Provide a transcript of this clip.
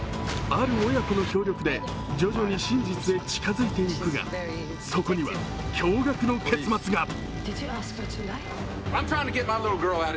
ある親子の協力で徐々に真実へ近づいていくが、そこには驚がくの結末が。